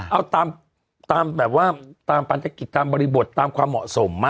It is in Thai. เอาตามปัญหาเกียรติตามบริบทตามความเหมาะสม